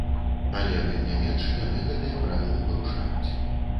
Але, тым не менш, яны гэтыя правілы парушаюць.